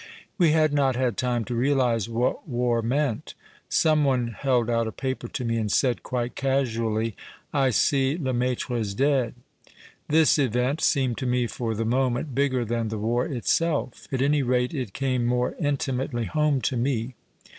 We had not had time to realize what war meant. Some one held out a paper to me and said, quite casually, " I see Lemaitre's dead." This event seemed to me for the moment bigger than the war itself. At any rate it came more intimately home to me.